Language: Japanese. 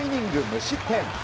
無失点。